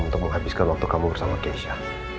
untuk menghabiskan waktu kamu bersama keisha